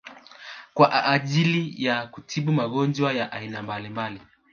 kwa ajili ya kutibu magonjwa ya aina mbalimbali